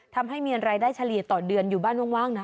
ทำให้มีรายได้เฉลี่ยต่อเดือนอยู่บ้านว่างนะ